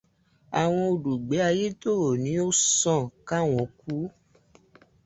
Àwọn olùgbé Ayétòrò ní ó sàn káwọn kú.